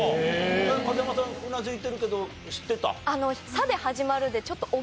影山さんうなずいてるけど知ってた？